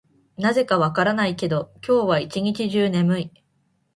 なぜか分からないけど、今日は一日中眠い。